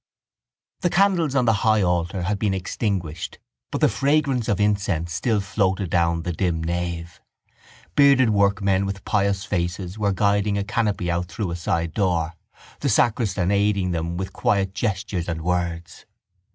The candles on the high altar had been extinguished but the fragrance of incense still floated down the dim nave. Bearded workmen with pious faces were guiding a canopy out through a side door, the sacristan aiding them with quiet gestures and words.